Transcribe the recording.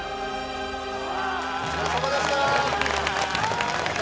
お疲れさまでした。